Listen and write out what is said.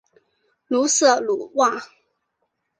鲁瑟卢瓦。